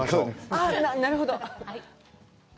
あっ、なるほど。